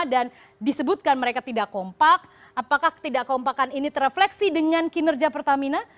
dan disebutkan mereka tidak kompak apakah tidak kompakan ini terefleksi dengan kinerja pertamina